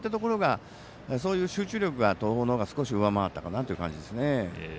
そういう集中力が東邦のほうが少し上回ったかなという感じですね。